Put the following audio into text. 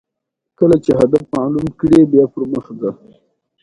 د افغانستان په منظره کې د کلیزو منظره ښکاره ده.